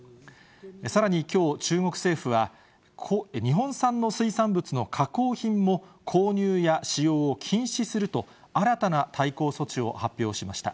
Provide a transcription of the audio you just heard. さらにきょう、中国政府は、日本産の水産物の加工品も、購入や使用を禁止すると、新たな対抗措置を発表しました。